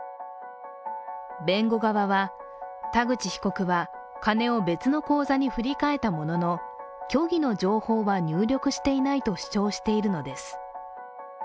弁護側は田口被告は金を別の口座に振り替えたものの虚偽の情報は入力していないと主張しているのです。